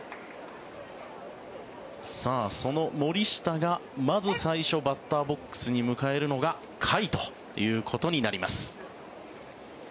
その森下がまず最初バッターボックスに迎えるのが甲斐ということになります。